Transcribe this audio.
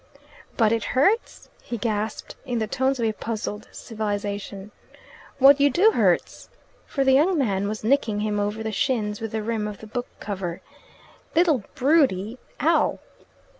"But it hurts!" he gasped, in the tones of a puzzled civilization. "What you do hurts!" For the young man was nicking him over the shins with the rim of the book cover. "Little brute ee ow!"